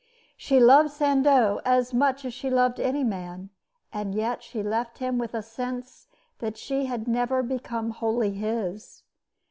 She loved Sandeau as much as she ever loved any man; and yet she left him with a sense that she had never become wholly his.